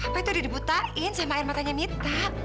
papa itu udah dibutain sama air matanya mita